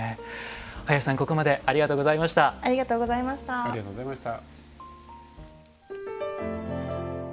林さん、ここまでありがとうございました。